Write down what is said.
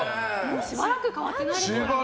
しばらく変わっていないですね。